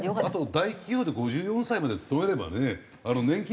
あと大企業で５４歳まで勤めればね